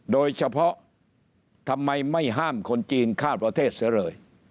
โดยเฉพาะทำไมไม่ห้ามคนจีนเข้าประเทศเสียเลย